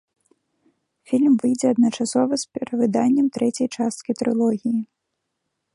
Фільм выйдзе адначасова з перавыданнем трэцяй часткі трылогіі.